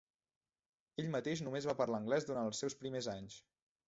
Ell mateix només va parlar anglès durant els seus primers anys.